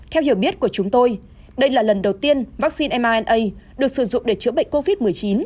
theo hiểu biết của chúng tôi đây là lần đầu tiên vaccine m a được sử dụng để chữa bệnh covid một mươi chín